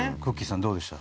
さんどうでした？